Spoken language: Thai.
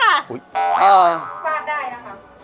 ฟาดได้นะคะ